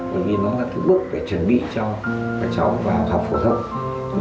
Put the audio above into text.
bởi vì nó là cái bước để chuẩn bị cho các cháu vào học phổ thông